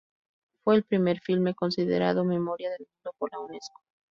Fue el primer filme considerado Memoria del Mundo por la Unesco.